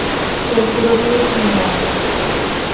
এর পুরোটা ই সিমোন।